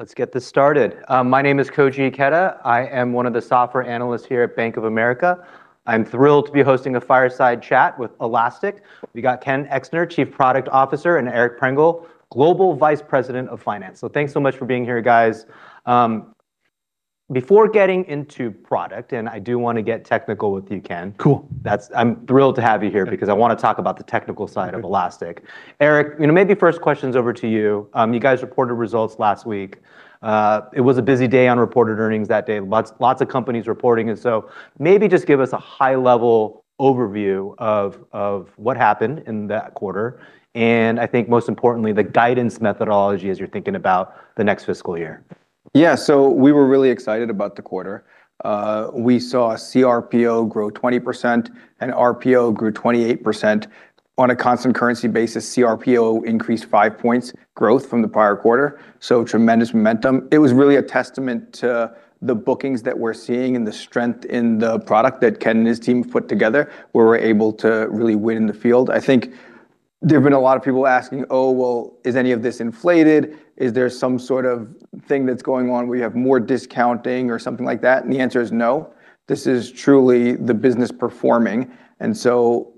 Let's get this started. My name is Koji Ikeda. I am one of the software analysts here at Bank of America. I'm thrilled to be hosting a fireside chat with Elastic. We got Ken Exner, Chief Product Officer, and Eric Pringle, Global Vice President of Finance. Thanks so much for being here, guys. Before getting into product, I do want to get technical with you, Ken. Cool. I'm thrilled to have you here because I want to talk about the technical side of Elastic. Eric, maybe first question's over to you. You guys reported results last week. It was a busy day on reported earnings that day. Lots of companies reporting. Maybe just give us a high-level overview of what happened in that quarter and, I think most importantly, the guidance methodology as you're thinking about the next fiscal year. We were really excited about the quarter. We saw CRPO grow 20% and RPO grew 28%. On a constant currency basis, CRPO increased five points growth from the prior quarter, tremendous momentum. It was really a testament to the bookings that we're seeing and the strength in the product that Ken and his team put together, where we're able to really win in the field. I think there have been a lot of people asking, "Oh, well, is any of this inflated? Is there some sort of thing that's going on where you have more discounting or something like that?" The answer is no. This is truly the business performing,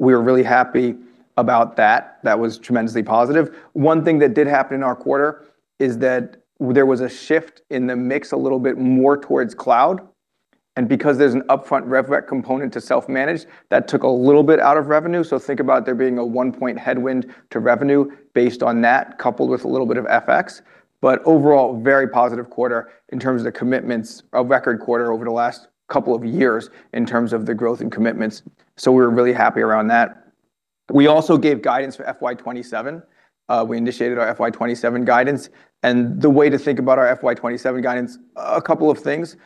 we are really happy about that. That was tremendously positive. One thing that did happen in our quarter is that there was a shift in the mix a little bit more towards cloud. Because there's an upfront rev rec component to self-managed, that took a little bit out of revenue. Think about there being a one-point headwind to revenue based on that, coupled with a little bit of FX. Overall, very positive quarter in terms of the commitments. A record quarter over the last couple of years in terms of the growth and commitments. We're really happy around that. We also gave guidance for FY 2027. We initiated our FY 2027 guidance. The way to think about our FY 2027 guidance, a couple of things.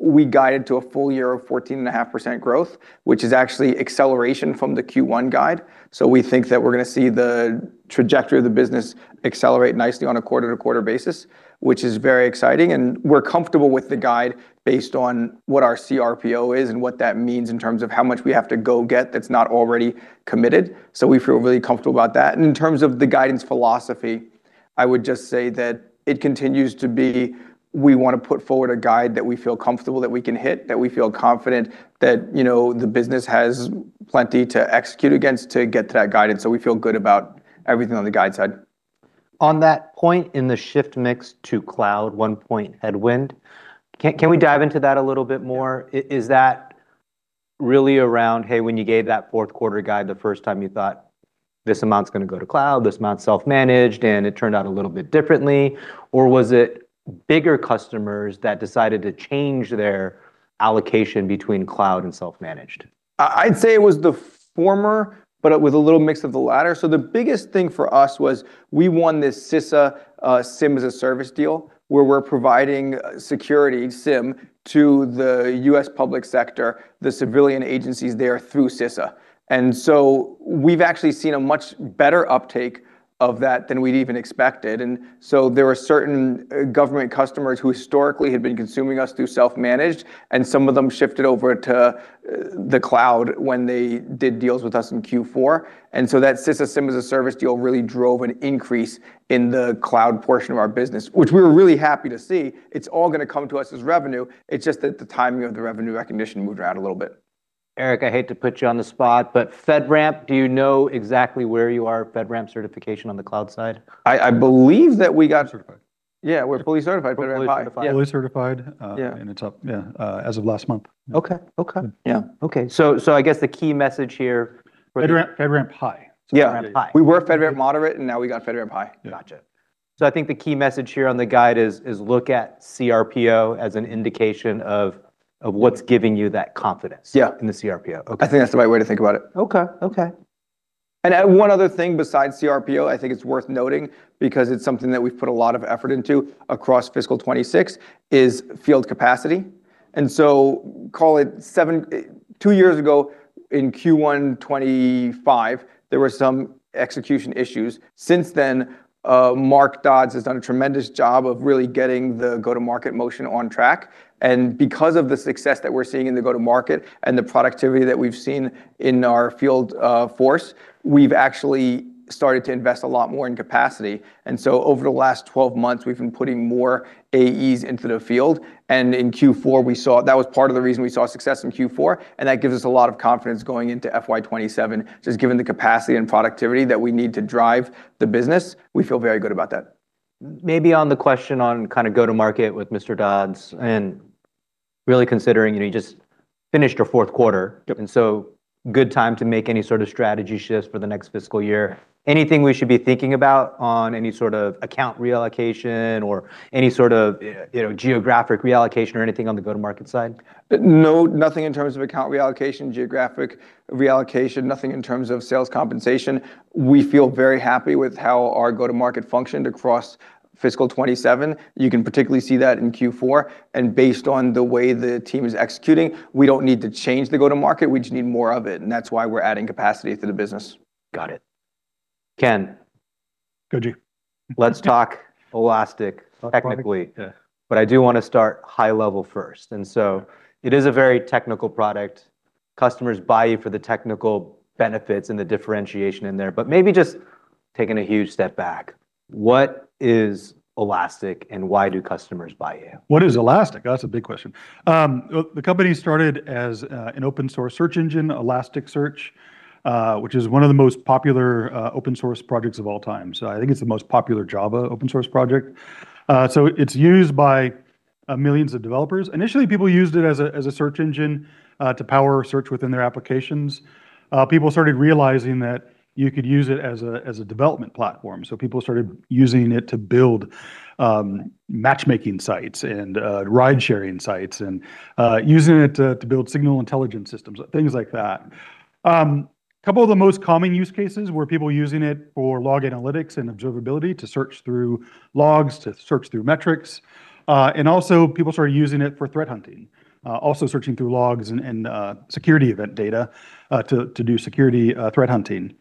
We guided to a full year of 14.5% growth, which is actually acceleration from the Q1 guide. We think that we're going to see the trajectory of the business accelerate nicely on a quarter-to-quarter basis, which is very exciting, and we're comfortable with the guide based on what our CRPO is and what that means in terms of how much we have to go get that's not already committed. We feel really comfortable about that. In terms of the guidance philosophy, I would just say that it continues to be, we want to put forward a guide that we feel comfortable that we can hit, that we feel confident that the business has plenty to execute against to get to that guidance. We feel good about everything on the guide side. On that point in the shift mix to Cloud one point headwind, can we dive into that a little bit more? Is that really around, hey, when you gave that fourth quarter guide, the first time you thought this amount's going to go to cloud, this amount's self-managed, and it turned out a little bit differently? Was it bigger customers that decided to change their allocation between cloud and self-managed? I'd say it was the former, but with a little mix of the latter. The biggest thing for us was we won this CISA SIEM-as-a-Service deal, where we're providing security SIEM to the U.S. public sector, the civilian agencies there through CISA. We've actually seen a much better uptake of that than we'd even expected. There are certain government customers who historically had been consuming us through self-managed, and some of them shifted over to the cloud when they did deals with us in Q4. That CISA SIEM-as-a-Service deal really drove an increase in the cloud portion of our business, which we were really happy to see. It's all going to come to us as revenue. It's just that the timing of the revenue recognition moved around a little bit. Eric, I hate to put you on the spot, but FedRAMP, do you know exactly where you are, FedRAMP certification on the cloud side? I believe that we got, Certified. Yeah, we're fully certified FedRAMP High. Fully certified. Yeah. It's up, yeah, as of last month. Okay. Yeah. Okay. I guess the key message here. FedRAMP High. Yeah. High. We were FedRAMP Moderate. Now we got FedRAMP High. Gotcha. I think the key message here on the guide is look at CRPO as an indication of what's giving you that confidence Yeah in the CRPO. Okay. I think that's the right way to think about it. Okay. One other thing besides CRPO, I think it's worth noting because it's something that we've put a lot of effort into across fiscal 2026, is field capacity. Call it two years ago in Q1 2025, there were some execution issues. Since then, Mark Dodds has done a tremendous job of really getting the go-to-market motion on track. Because of the success that we're seeing in the go-to-market and the productivity that we've seen in our field force, we've actually started to invest a lot more in capacity. Over the last 12 months, we've been putting more AEs into the field, and that was part of the reason we saw success in Q4, and that gives us a lot of confidence going into FY27. Just given the capacity and productivity that we need to drive the business, we feel very good about that. Maybe on the question on go-to-market with Mr. Dodds and really considering you just finished your fourth quarter. Good time to make any sort of strategy shifts for the next fiscal year. Anything we should be thinking about on any sort of account reallocation or any sort of geographic reallocation or anything on the go-to-market side? No, nothing in terms of account reallocation, geographic reallocation, nothing in terms of sales compensation. We feel very happy with how our go-to-market functioned across fiscal 2027. You can particularly see that in Q4. Based on the way the team is executing, we don't need to change the go-to-market, we just need more of it, and that's why we're adding capacity to the business. Got it. Ken. Koji. Let's talk Elastic technically. Yeah. I do want to start high level first, and so it is a very technical product. Customers buy you for the technical benefits and the differentiation in there. Maybe just taking a huge step back, what is Elastic and why do customers buy you? What is Elastic? That's a big question. The company started as an open source search engine, Elasticsearch, which is one of the most popular open source projects of all time. I think it's the most popular Java open source project. It's used by millions of developers. Initially, people used it as a search engine to power search within their applications. People started realizing that you could use it as a development platform. People started using it to build matchmaking sites and ride sharing sites, and using it to build signal intelligence systems and things like that. Couple of the most common use cases were people using it for log analytics and observability to search through logs, to search through metrics. Also people started using it for threat hunting, also searching through logs and security event data, to do security threat hunting.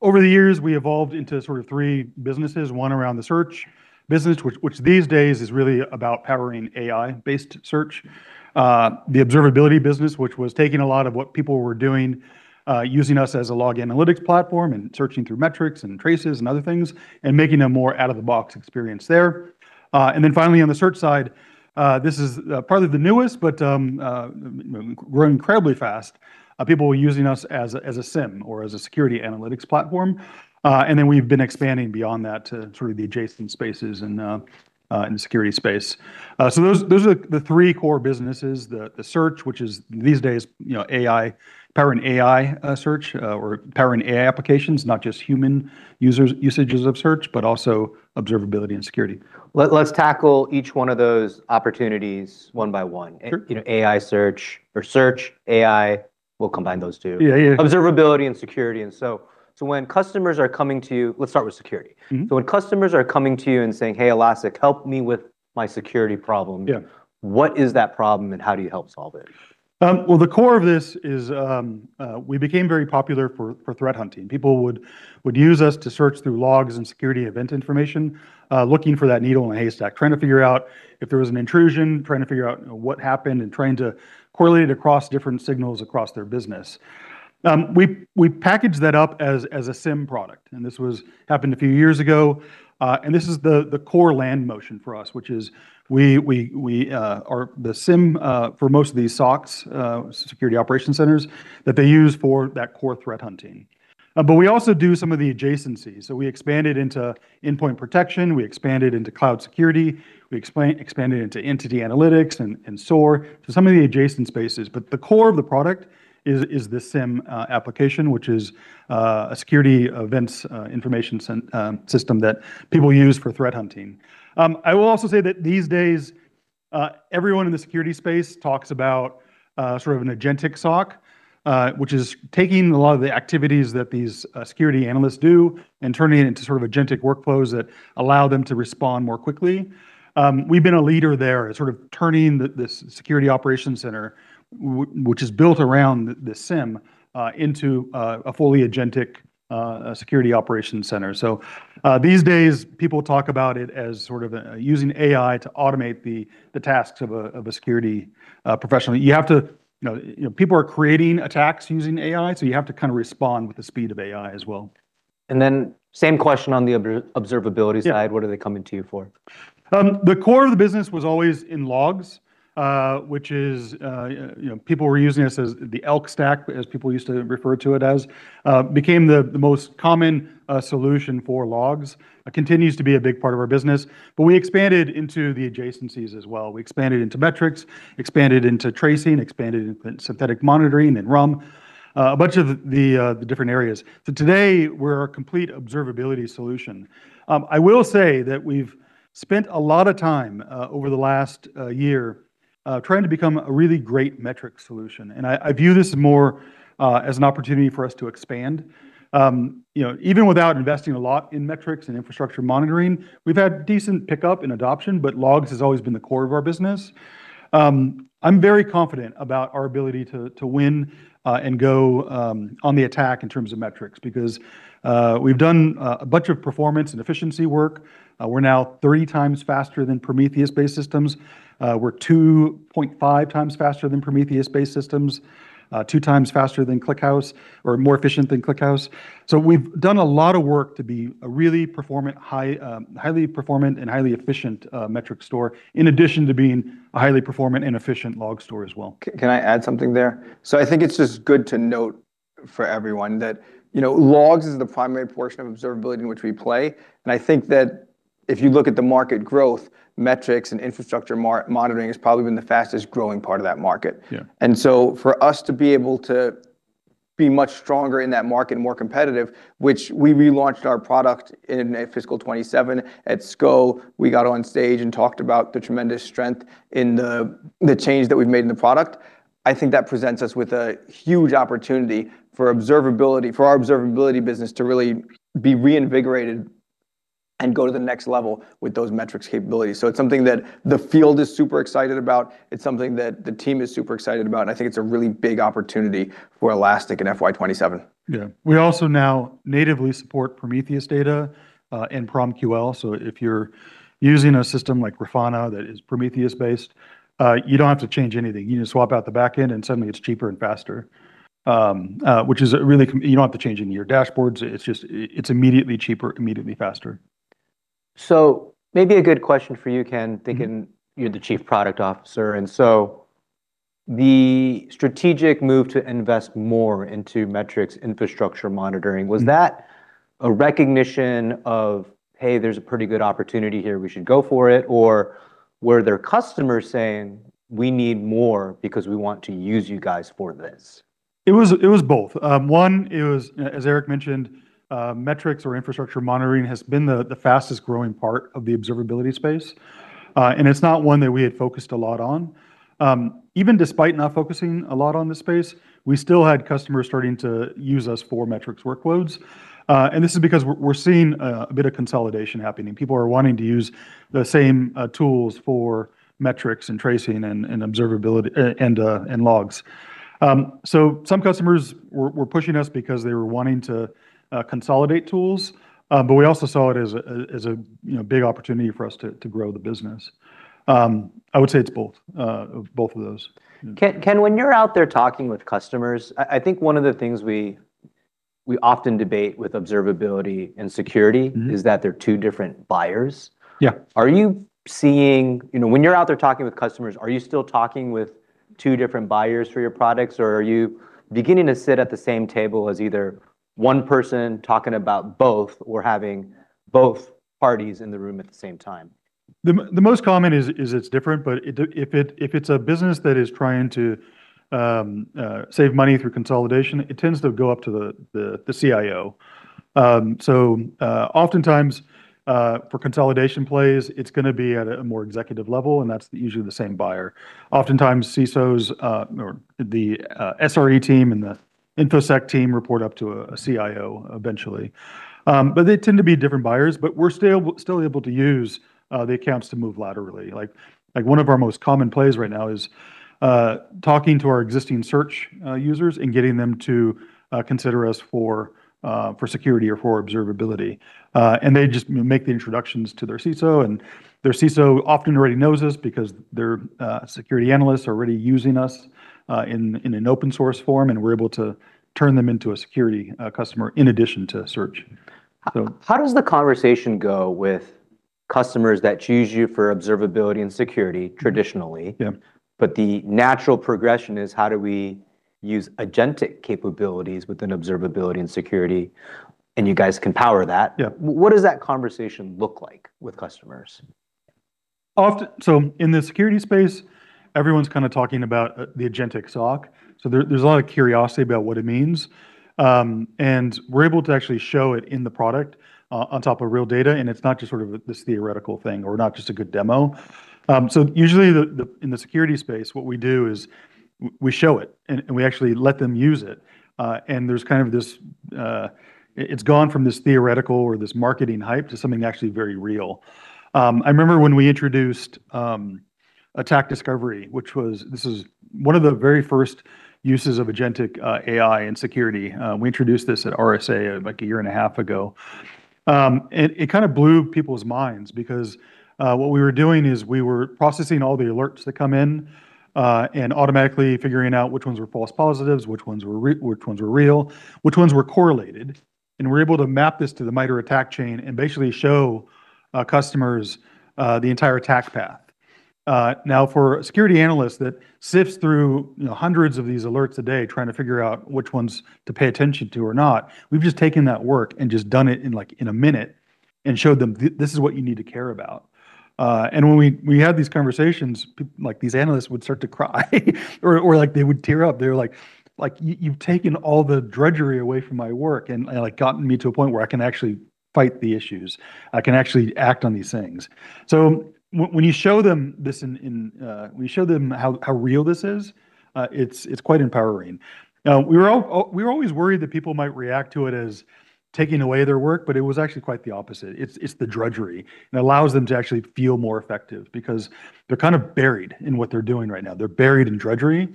Over the years, we evolved into sort of three businesses, one around the search business, which these days is really about powering AI-based search. The observability business, which was taking a lot of what people were doing, using us as a log analytics platform and searching through metrics and traces and other things, and making a more out-of-the-box experience there. Finally on the search side, this is probably the newest, but growing incredibly fast. People were using us as a SIEM or as a security analytics platform. We've been expanding beyond that to the adjacent spaces in the security space. Those are the three core businesses. The search, which is these days powering AI search or powering AI applications, not just human usages of search, but also observability and security. Let's tackle each one of those opportunities one by one. AI search or search AI, we'll combine those two. Yeah. Observability and security. When customers are coming to you, let's start with security. When customers are coming to you and saying, "Hey, Elastic, help me with my security problem. Yeah What is that problem and how do you help solve it? Well, the core of this is we became very popular for threat hunting. People would use us to search through logs and security event information, looking for that needle in a haystack, trying to figure out if there was an intrusion, trying to figure out what happened, and trying to correlate across different signals across their business. We packaged that up as a SIEM product, and this happened a few years ago. This is the core land motion for us, which is we are the SIEM for most of these SOCs, security operation centers, that they use for that core threat hunting. We also do some of the adjacencies. We expanded into endpoint protection, we expanded into cloud security, we expanded into entity analytics and SOAR. Some of the adjacent spaces. The core of the product is the SIEM application, which is a security events information system that people use for threat hunting. I will also say that these days everyone in the security space talks about an agentic SOC, which is taking a lot of the activities that these security analysts do and turning it into agentic workflows that allow them to respond more quickly. We've been a leader there at turning this security operation center, which is built around the SIEM, into a fully agentic security operation center. These days people talk about it as using AI to automate the tasks of a security professional. People are creating attacks using AI, so you have to respond with the speed of AI as well. Same question on the Observability side? What are they coming to you for? The core of the business was always in logs, which is people were using us as the ELK Stack, as people used to refer to it as. Became the most common solution for logs, continues to be a big part of our business, but we expanded into the adjacencies as well. We expanded into metrics, expanded into tracing, expanded into synthetic monitoring and RUM, a bunch of the different areas. Today we're a complete observability solution. I will say that we've spent a lot of time over the last year trying to become a really great metric solution, and I view this more as an opportunity for us to expand. Even without investing a lot in metrics and infrastructure monitoring, we've had decent pickup and adoption, but logs has always been the core of our business. I'm very confident about our ability to win and go on the attack in terms of metrics, because we've done a bunch of performance and efficiency work. We're now three times faster than Prometheus-based systems. We're two point five times faster than Prometheus-based systems, two times faster than ClickHouse or more efficient than ClickHouse. We've done a lot of work to be a highly performant and highly efficient metric store, in addition to being a highly performant and efficient log store as well. Can I add something there? I think it's just good to note for everyone that logs is the primary portion of observability in which we play, and I think that if you look at the market growth metrics and infrastructure monitoring has probably been the fastest growing part of that market. Yeah. For us to be able to be much stronger in that market and more competitive, which we relaunched our product in fiscal 2027. At SKO, we got on stage and talked about the tremendous strength in the change that we've made in the product. I think that presents us with a huge opportunity for our Observability business to really be reinvigorated. Go to the next level with those metrics capabilities. It's something that the field is super excited about, it's something that the team is super excited about, and I think it's a really big opportunity for Elastic in FY 2027. We also now natively support Prometheus data in PromQL, so if you're using a system like Grafana that is Prometheus-based, you don't have to change anything. You just swap out the back end, and suddenly it's cheaper and faster. You don't have to change any of your dashboards. It's immediately cheaper, immediately faster. Maybe a good question for you, Ken, thinking you're the Chief Product Officer, and so the strategic move to invest more into metrics infrastructure monitoring, was that a recognition of, "Hey, there's a pretty good opportunity here, we should go for it," or were there customers saying, "We need more because we want to use you guys for this? It was both. One, it was, as Eric mentioned, metrics or infrastructure monitoring has been the fastest growing part of the observability space. It's not one that we had focused a lot on. Even despite not focusing a lot on this space, we still had customers starting to use us for metrics workloads. This is because we're seeing a bit of consolidation happening. People are wanting to use the same tools for metrics and tracing and observability and logs. Some customers were pushing us because they were wanting to consolidate tools. We also saw it as a big opportunity for us to grow the business. I would say it's both of those. Ken, when you're out there talking with customers, I think one of the things we often debate with observability and security is that they're two different buyers. Yeah. When you're out there talking with customers, are you still talking with two different buyers for your products, or are you beginning to sit at the same table as either one person talking about both or having both parties in the room at the same time? The most common is it's different, but if it's a business that is trying to save money through consolidation, it tends to go up to the CIO. Oftentimes, for consolidation plays, it's going to be at a more executive level, and that's usually the same buyer. Oftentimes CISOs or the SRE team and the InfoSec team report up to a CIO eventually. They tend to be different buyers, but we're still able to use the accounts to move laterally. One of our most common plays right now is talking to our existing search users and getting them to consider us for security or for observability. They just make the introductions to their CISO, and their CISO often already knows us because their security analysts are already using us in an open source form, and we're able to turn them into a security customer in addition to search. How does the conversation go with customers that choose you for observability and security traditionally? Yeah. The natural progression is how do we use agentic capabilities within observability and security, and you guys can power that. Yeah. What does that conversation look like with customers? In the security space, everyone's talking about the agentic SOC. There's a lot of curiosity about what it means. We're able to actually show it in the product on top of real data, and it's not just this theoretical thing or not just a good demo. Usually, in the security space, what we do is we show it and we actually let them use it. It's gone from this theoretical or this marketing hype to something actually very real. I remember when we introduced Attack Discovery, which was one of the very first uses of agentic AI in security. We introduced this at RSA a year and a half ago. It blew people's minds because what we were doing is we were processing all the alerts that come in and automatically figuring out which ones were false positives, which ones were real, which ones were correlated, and we're able to map this to the MITRE ATT&CK chain and basically show customers the entire attack path. For a security analyst that sifts through hundreds of these alerts a day trying to figure out which ones to pay attention to or not, we've just taken that work and just done it in a minute and showed them, "This is what you need to care about." When we had these conversations, these analysts would start to cry or they would tear up. They were like, "You've taken all the drudgery away from my work and gotten me to a point where I can actually fight the issues. I can actually act on these things." When you show them how real this is, it's quite empowering. We were always worried that people might react to it as taking away their work, it was actually quite the opposite. It's the drudgery, it allows them to actually feel more effective because they're buried in what they're doing right now. They're buried in drudgery.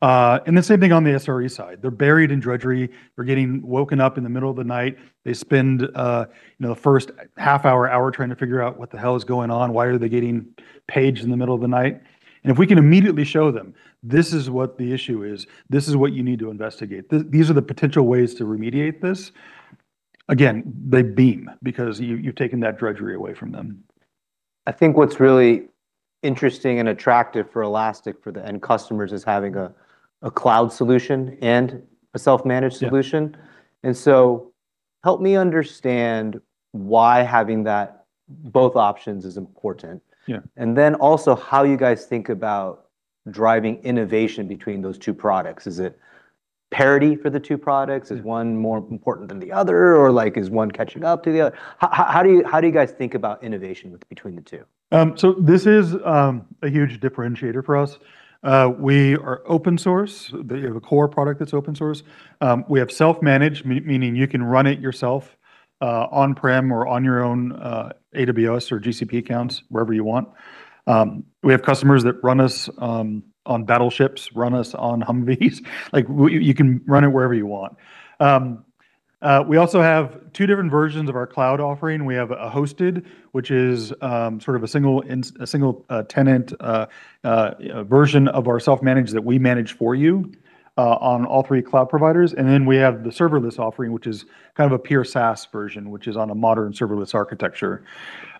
The same thing on the SRE side. They're buried in drudgery. They're getting woken up in the middle of the night. They spend the first half hour trying to figure out what the hell is going on, why are they getting paged in the middle of the night. If we can immediately show them, "This is what the issue is, this is what you need to investigate. These are the potential ways to remediate this," again, they beam because you've taken that drudgery away from them. I think what's really interesting and attractive for Elastic for the end customers is having a cloud solution and a self-managed solution. Help me understand why having both options is important. Yeah. How you guys think about driving innovation between those two products? Is it parity for the two products? Is one more important than the other, or is one catching up to the other? How do you guys think about innovation between the two? This is a huge differentiator for us. We are open source. We have a core product that's open source. We have self-managed, meaning you can run it yourself on-prem or on your own AWS or GCP accounts, wherever you want. We have customers that run us on battleships, run us on Humvees. You can run it wherever you want. We also have two different versions of our cloud offering. We have a hosted, which is a single tenant version of our self-managed that we manage for you on all three cloud providers. We have the serverless offering, which is a pure SaaS version, which is on a modern serverless architecture.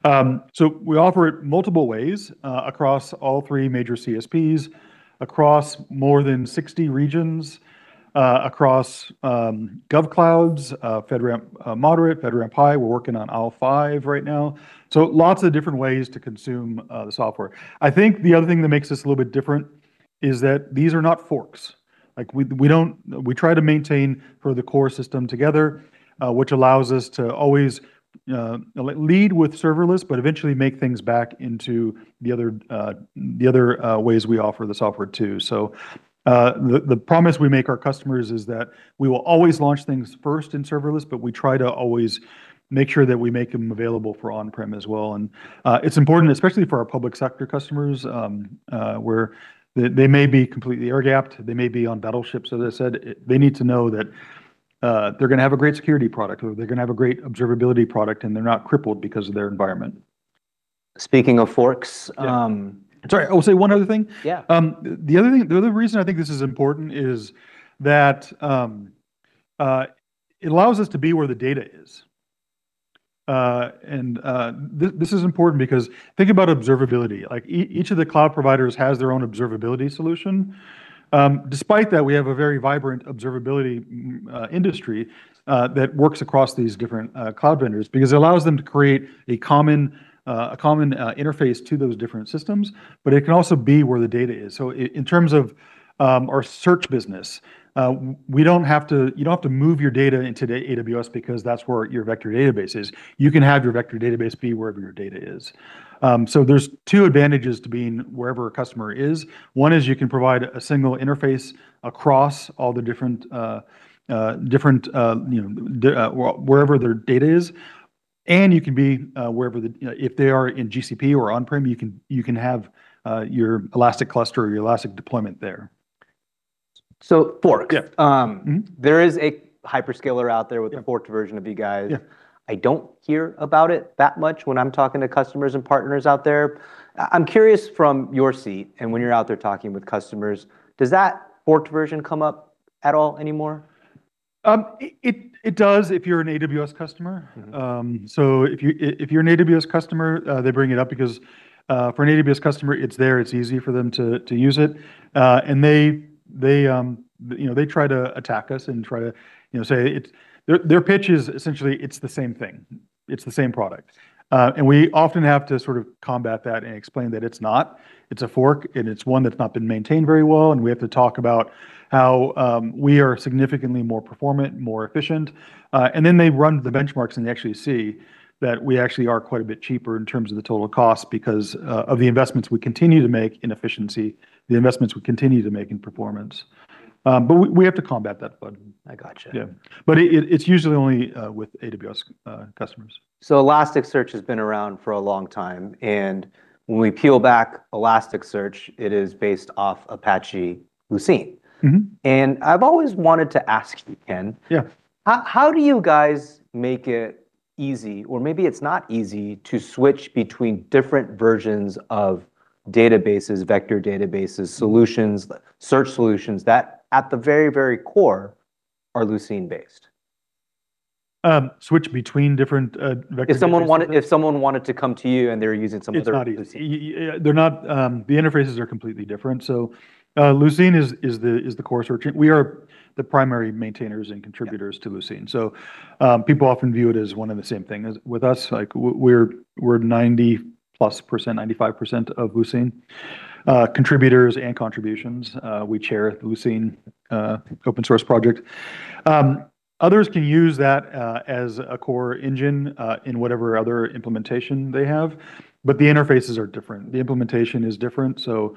We offer it multiple ways across all three major CSPs, across more than 60 regions, across gov clouds, FedRAMP Moderate, FedRAMP High. We're working on all five right now. Lots of different ways to consume the software. I think the other thing that makes us a little bit different is that these are not forks. We try to maintain the core system together, which allows us to always lead with serverless, but eventually make things back into the other ways we offer the software, too. The promise we make our customers is that we will always launch things first in serverless, but we try to always make sure that we make them available for on-prem as well. It's important, especially for our public sector customers, where they may be completely air-gapped, they may be on battleships, as I said. They need to know that they're going to have a great security product, or they're going to have a great observability product, and they're not crippled because of their environment. Speaking of forks. Yeah. Sorry, I will say one other thing. Yeah. The other reason I think this is important is that it allows us to be where the data is. This is important because think about observability. Each of the cloud providers has their own observability solution. Despite that, we have a very vibrant observability industry that works across these different cloud vendors because it allows them to create a common interface to those different systems, but it can also be where the data is. In terms of our search business, you don't have to move your data into the AWS because that's where your vector database is. You can have your vector database be wherever your data is. There's two advantages to being wherever a customer is. One is you can provide a single interface across wherever their data is, and you can be wherever they are. If they are in GCP or on-prem, you can have your Elastic cluster or your Elastic deployment there. Forks. There is a hyperscaler out there. with a forked version of you guys. I don't hear about it that much when I'm talking to customers and partners out there. I'm curious from your seat and when you're out there talking with customers, does that forked version come up at all anymore? It does if you're an AWS customer. If you're an AWS customer, they bring it up because, for an AWS customer, it's there, it's easy for them to use it. They try to attack us and their pitch is essentially, it's the same thing. It's the same product. We often have to combat that and explain that it's not. It's a fork, and it's one that's not been maintained very well, and we have to talk about how we are significantly more performant, more efficient. Then they run the benchmarks, and they actually see that we actually are quite a bit cheaper in terms of the total cost because of the investments we continue to make in efficiency, the investments we continue to make in performance. We have to combat that. I got you. Yeah. It's usually only with AWS customers. Elasticsearch has been around for a long time, and when we peel back Elasticsearch, it is based off Apache Lucene. I've always wanted to ask you, Ken. Yeah. How do you guys make it easy, or maybe it's not easy, to switch between different versions of databases, vector databases, solutions, search solutions that at the very, very core are Lucene-based? Switch between different vector databases? If someone wanted to come to you, and they're using some other Lucene. It's not easy. The interfaces are completely different. Lucene is the core search. We are the primary maintainers and contributors. to Lucene. People often view it as one and the same thing. With us, we're 90%-plus, 95% of Lucene contributors and contributions. We chair Lucene open source project. Others can use that as a core engine in whatever other implementation they have, but the interfaces are different. The implementation is different, so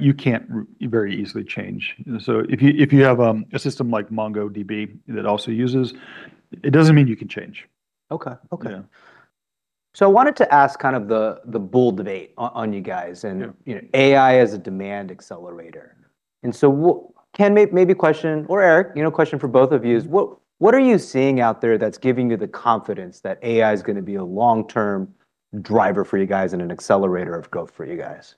you can't very easily change. If you have a system like MongoDB that also uses, it doesn't mean you can change. Okay. I wanted to ask the bull debate on you guys. Yeah AI as a demand accelerator. Ken, maybe a question, or Eric, a question for both of you is what are you seeing out there that's giving you the confidence that AI is going to be a long-term driver for you guys and an accelerator of growth for you guys?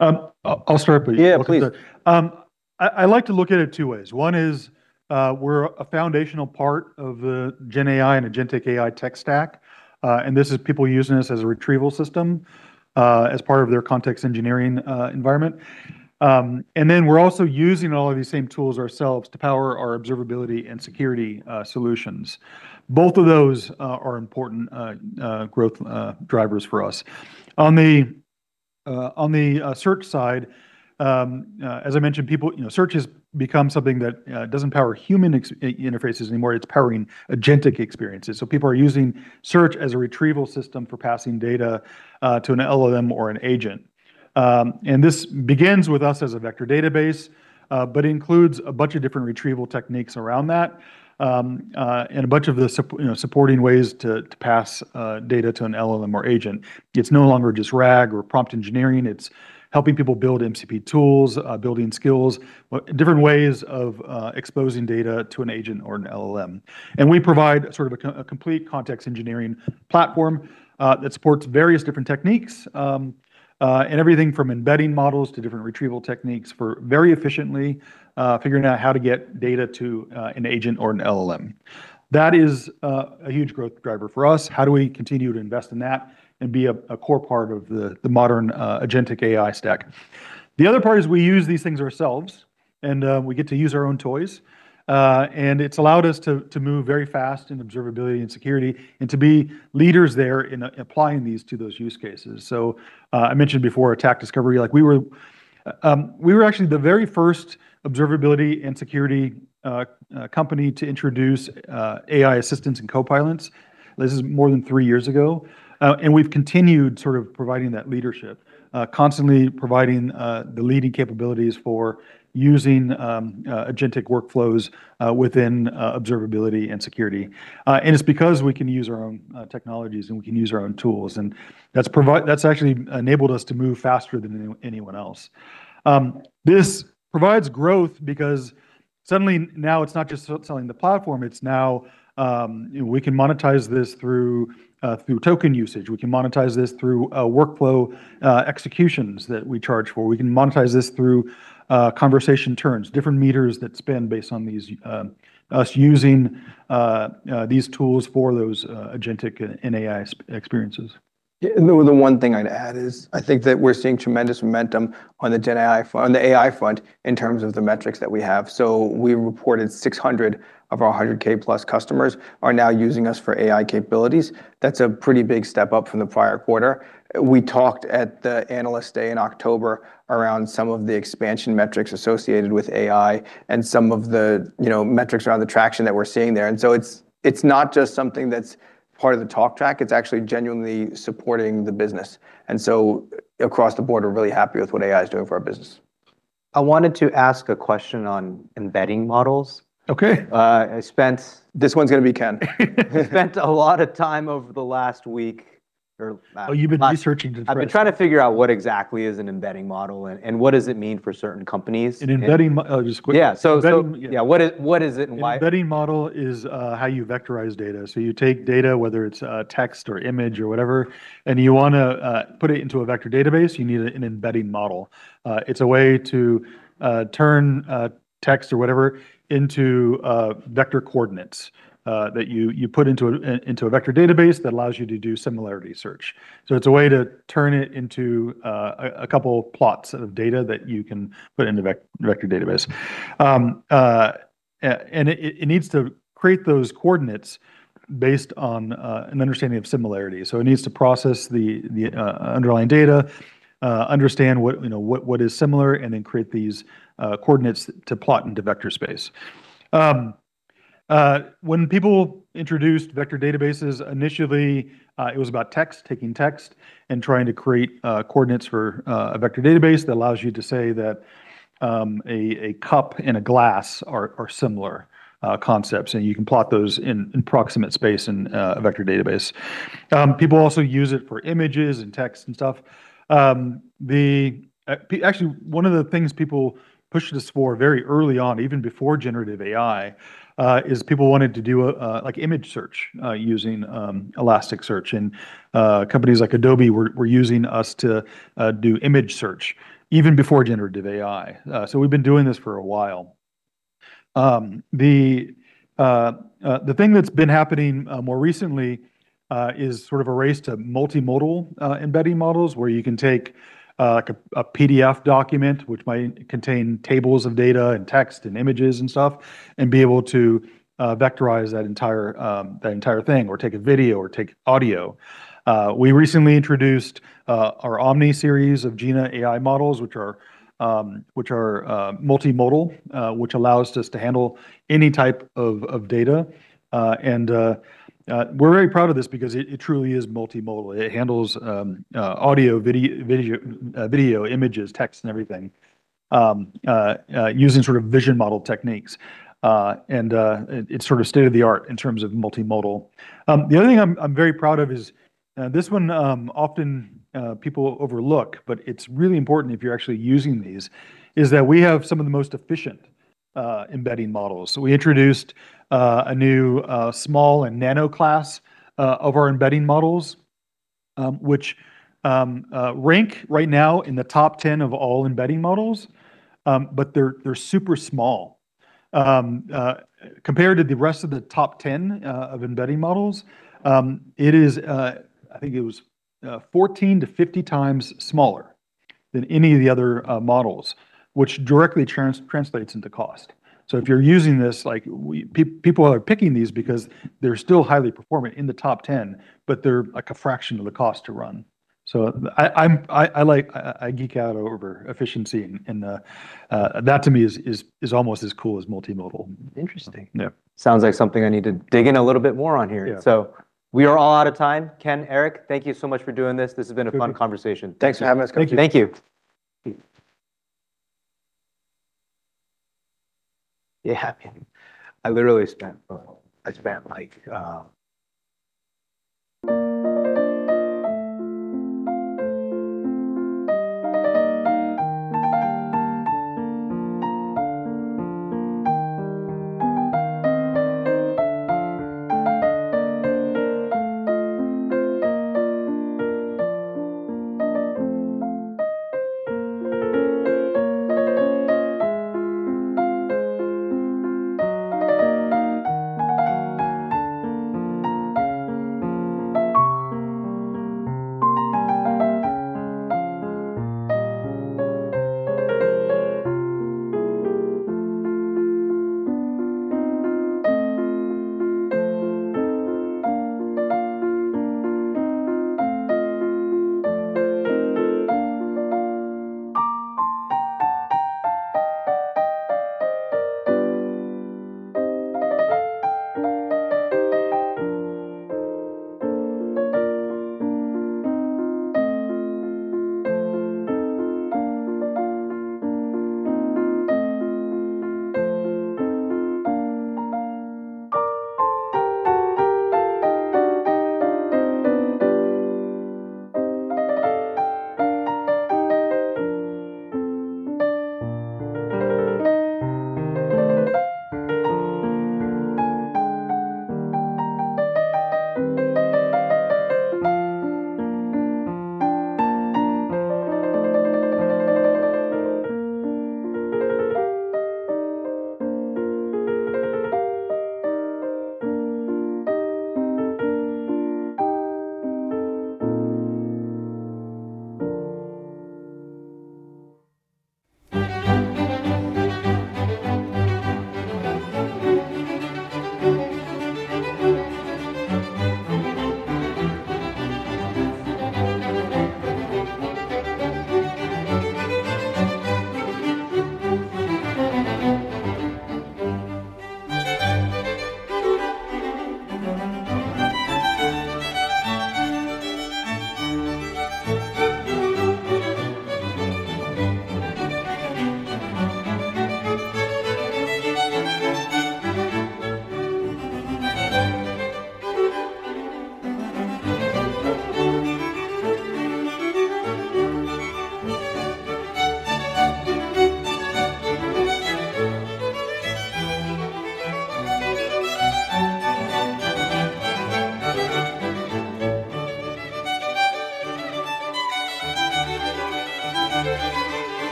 I'll start, please. Yeah, please. I like to look at it two ways. One is we're a foundational part of the GenAI and Agentic AI tech stack. This is people using us as a retrieval system as part of their context engineering environment. We're also using all of these same tools ourselves to power our observability and security solutions. Both of those are important growth drivers for us. On the search side, as I mentioned, search has become something that doesn't power human interfaces anymore. It's powering agentic experiences. People are using search as a retrieval system for passing data to an LLM or an agent. This begins with us as a vector database, but includes a bunch of different retrieval techniques around that. A bunch of the supporting ways to pass data to an LLM or agent. It's no longer just RAG or prompt engineering. It's helping people build MCP tools, building skills, different ways of exposing data to an agent or an LLM. We provide a complete context engineering platform that supports various different techniques. Everything from embedding models to different retrieval techniques for very efficiently figuring out how to get data to an agent or an LLM. That is a huge growth driver for us. How do we continue to invest in that and be a core part of the modern agentic AI stack? The other part is we use these things ourselves, and we get to use our own toys. It's allowed us to move very fast in observability and security, and to be leaders there in applying these to those use cases. I mentioned before Attack Discovery. We were actually the very first observability and security company to introduce AI Assistants and copilots. This is more than three years ago. We've continued providing that leadership, constantly providing the leading capabilities for using agentic workflows within observability and security. It's because we can use our own technologies and we can use our own tools, and that's actually enabled us to move faster than anyone else. This provides growth because suddenly now it's not just selling the platform, it's now we can monetize this through token usage. We can monetize this through workflow executions that we charge for. We can monetize this through conversation turns, different meters that spin based on us using these tools for those agentic and AI experiences. Yeah. The one thing I'd add is I think that we're seeing tremendous momentum on the AI front in terms of the metrics that we have. We reported 600 of our 100K plus customers are now using us for AI capabilities. That's a pretty big step up from the prior quarter. We talked at the Analyst Day in October around some of the expansion metrics associated with AI and some of the metrics around the traction that we're seeing there. It's not just something that's part of the talk track, it's actually genuinely supporting the business. Across the board, we're really happy with what AI is doing for our business. I wanted to ask a question on embedding models. Okay. This one's going to be Ken. I spent a lot of time over the last week. Oh, you've been researching this. I've been trying to figure out what exactly is an embedding model, and what does it mean for certain companies. An embedding model, just quick. Yeah. What is it and why? Embedding model is how you vectorize data. You take data, whether it's text or image or whatever, and you want to put it into a vector database, you need an embedding model. It's a way to turn text or whatever into vector coordinates that you put into a vector database that allows you to do similarity search. It's a way to turn it into a couple plots of data that you can put in the vector database. It needs to create those coordinates based on an understanding of similarity. It needs to process the underlying data, understand what is similar, and then create these coordinates to plot into vector space. When people introduced vector databases, initially, it was about text, taking text and trying to create coordinates for a vector database that allows you to say that a cup and a glass are similar concepts, and you can plot those in proximate space in a vector database. People also use it for images and text and stuff. Actually, one of the things people pushed us for very early on, even before generative AI, is people wanted to do image search using Elasticsearch. Companies like Adobe were using us to do image search even before generative AI. We've been doing this for a while. The thing that's been happening more recently is a race to multimodal embedding models where you can take a PDF document, which might contain tables of data and text and images and stuff, and be able to vectorize that entire thing or take a video or take audio. We recently introduced our jina-embeddings-v5-omni series of Jina AI models, which are multimodal, which allows us to handle any type of data. We're very proud of this because it truly is multimodal. It handles audio, video, images, text, and everything, using vision model techniques. It's state of the art in terms of multimodal. The other thing I'm very proud of is, this one often people overlook, but it's really important if you're actually using these, is that we have some of the most efficient embedding models. We introduced a new small and nano class of our embedding models, which rank right now in the top 10 of all embedding models. They're super small. Compared to the rest of the top 10 of embedding models, I think it was 14 to 50 times smaller than any of the other models, which directly translates into cost. If you're using this, people are picking these because they're still highly performant in the top 10, but they're a fraction of the cost to run. I geek out over efficiency, and that to me is almost as cool as multimodal. Interesting. Yeah. Sounds like something I need to dig in a little bit more on here. Yeah. We are all out of time. Ken, Eric, thank you so much for doing this. This has been a fun conversation. Thanks for having us, Koji. Thank you. Yeah, man. I literally spent like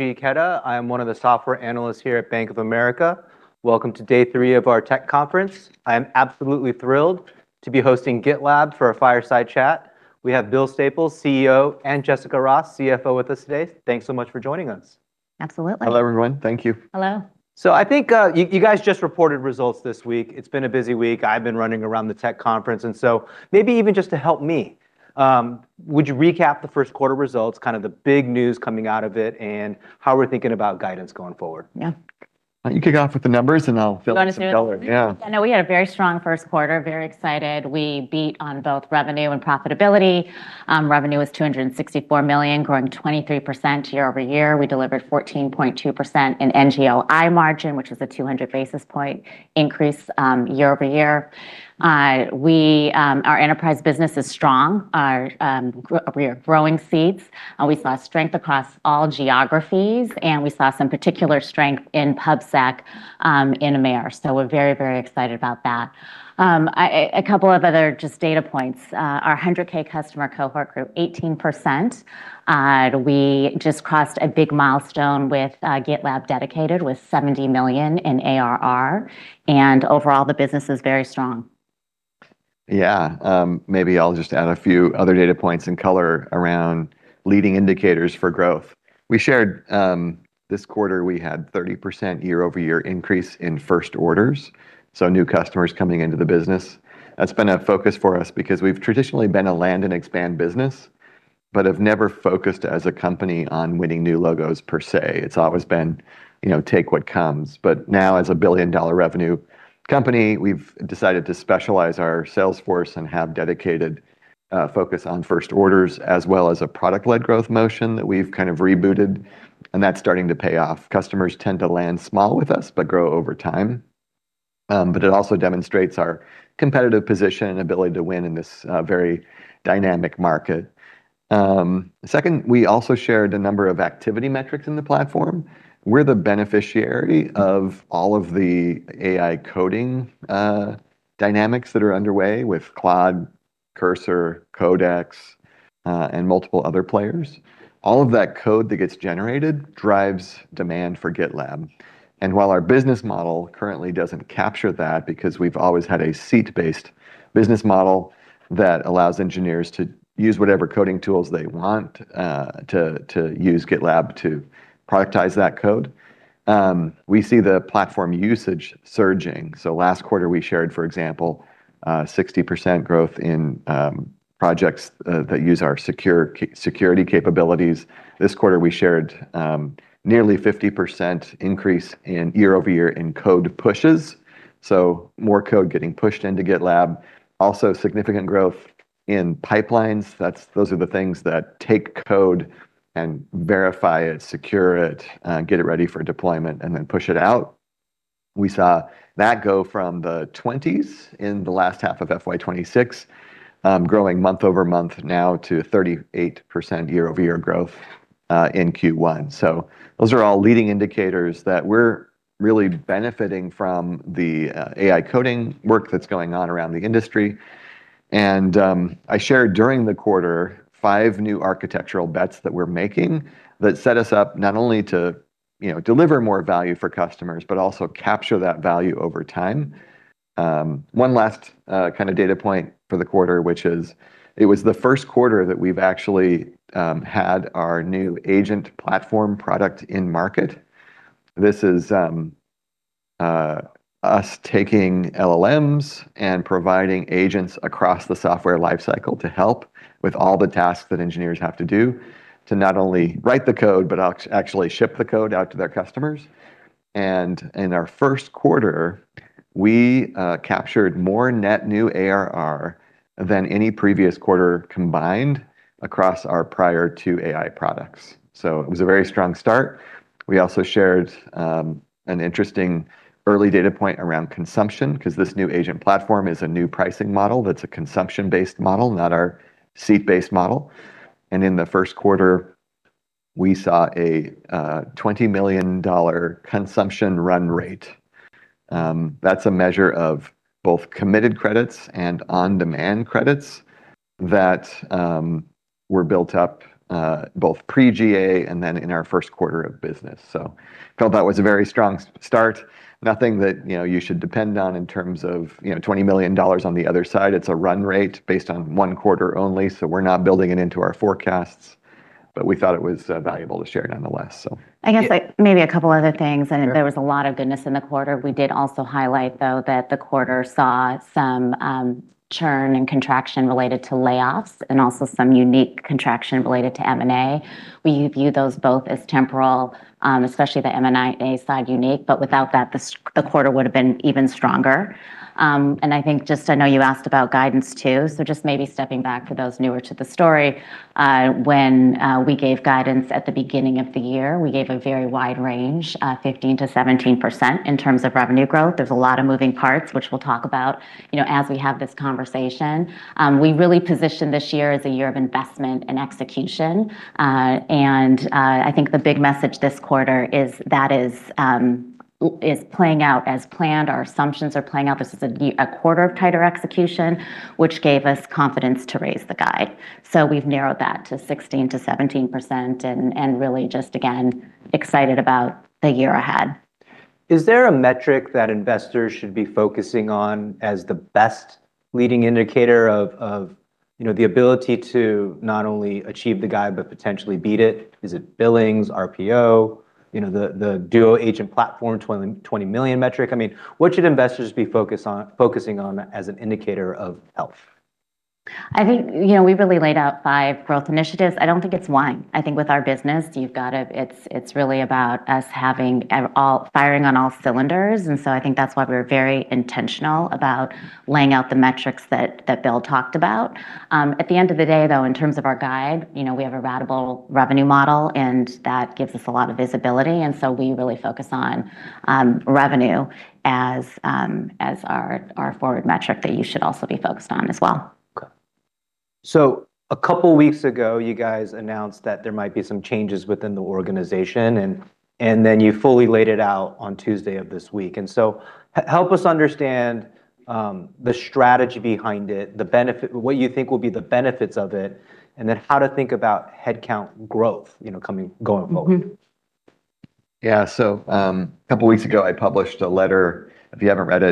Koji Ikeda. I am one of the software analysts here at Bank of America. Welcome to day three of our tech conference. I am absolutely thrilled to be hosting GitLab for a fireside chat. We have Bill Staples, CEO, and Jessica Ross, CFO, with us today. Thanks so much for joining us. Absolutely. Hello, everyone. Thank you. Hello. I think you guys just reported results this week. It's been a busy week. I've been running around the tech conference, and so maybe even just to help me, would you recap the first quarter results, kind of the big news coming out of it, and how we're thinking about guidance going forward? Yeah. Why don't you kick off with the numbers, and I'll fill in some color. I know we had a very strong first quarter, very excited. We beat on both revenue and profitability. Revenue was $264 million, growing 23% year-over-year. We delivered 14.2% in NGLI margin, which is a 200 basis point increase year-over-year. Our enterprise business is strong. We are growing seats. We saw strength across all geographies, and we saw some particular strength in PubSec in AMER. We're very excited about that. A couple of other just data points. Our 100K customer cohort grew 18%. We just crossed a big milestone with GitLab Dedicated with $70 million in ARR, and overall, the business is very strong. Maybe I'll just add a few other data points and color around leading indicators for growth. We shared this quarter we had 30% year-over-year increase in first orders, so new customers coming into the business. That's been a focus for us because we've traditionally been a land and expand business, but have never focused as a company on winning new logos per se. It's always been take what comes. Now, as a billion-dollar revenue company, we've decided to specialize our sales force and have dedicated focus on first orders, as well as a product-led growth motion that we've kind of rebooted, and that's starting to pay off. Customers tend to land small with us, but grow over time. It also demonstrates our competitive position and ability to win in this very dynamic market. Second, we also shared a number of activity metrics in the platform. We're the beneficiary of all of the AI coding dynamics that are underway with Claude, Cursor, Codex, and multiple other players. While our business model currently doesn't capture that because we've always had a seat-based business model that allows engineers to use whatever coding tools they want to use GitLab to productize that code, we see the platform usage surging. Last quarter, we shared, for example, 60% growth in projects that use our security capabilities. This quarter, we shared nearly 50% increase in year-over-year in code pushes, more code getting pushed into GitLab. Also, significant growth in pipelines. Those are the things that take code and verify it, secure it, get it ready for deployment, and then push it out. We saw that go from the 20s in the last half of FY 2026, growing month-over-month now to 38% year-over-year growth in Q1. Those are all leading indicators that we're really benefiting from the AI coding work that's going on around the industry. I shared during the quarter five new architectural bets that we're making that set us up not only to deliver more value for customers, but also capture that value over time. One last data point for the quarter, which is it was the first quarter that we've actually had our new agent platform product in market. This is us taking LLMs and providing agents across the software life cycle to help with all the tasks that engineers have to do to not only write the code, but actually ship the code out to their customers. In our first quarter, we captured more net new ARR than any previous quarter combined across our prior two AI products. It was a very strong start. We also shared an interesting early data point around consumption because this new agent platform is a new pricing model that's a consumption-based model, not our seat-based model. In the first quarter, we saw a $20 million consumption run rate. That's a measure of both committed credits and on-demand credits that were built up both pre-GA and then in our first quarter of business. Felt that was a very strong start. Nothing that you should depend on in terms of $20 million on the other side. It's a run rate based on one quarter only, so we're not building it into our forecasts, but we thought it was valuable to share it nonetheless. I guess maybe a couple other things. There was a lot of goodness in the quarter. We did also highlight, though, that the quarter saw some churn and contraction related to layoffs and also some unique contraction related to M&A. We view those both as temporal, especially the M&A side unique, but without that, the quarter would have been even stronger. I think I know you asked about guidance too, so just maybe stepping back for those newer to the story, when we gave guidance at the beginning of the year, we gave a very wide range, 15% to 17% in terms of revenue growth. There's a lot of moving parts, which we'll talk about as we have this conversation. We really positioned this year as a year of investment and execution. I think the big message this quarter is that is playing out as planned. Our assumptions are playing out. This is a quarter of tighter execution, which gave us confidence to raise the guide. We've narrowed that to 16% to 17% and really just, again, excited about the year ahead. Is there a metric that investors should be focusing on as the best leading indicator of the ability to not only achieve the guide but potentially beat it? Is it billings, RPO, the Duo Agent Platform, 20 million metric? What should investors be focusing on as an indicator of health? I think we really laid out five growth initiatives. I don't think it's one. I think with our business, it's really about us firing on all cylinders. I think that's why we're very intentional about laying out the metrics that Bill talked about. At the end of the day, though, in terms of our guide, we have a ratable revenue model, and that gives us a lot of visibility. We really focus on revenue as our forward metric that you should also be focused on as well. Okay. A couple of weeks ago, you guys announced that there might be some changes within the organization, and then you fully laid it out on Tuesday of this week. Help us understand the strategy behind it, what you think will be the benefits of it, and then how to think about headcount growth going forward. A couple weeks ago, I published a letter. If you haven't read